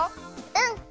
うん！